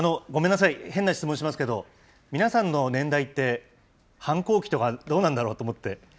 ごめんなさい、変な質問しますけど、皆さんの年代って反抗期とか、どうなんだろうと思って。